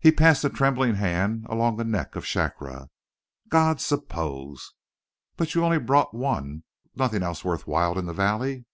He passed a trembling hand along the neck of Shakra. "God, suppose!" "But you only brought one; nothing else worth while in the valley?"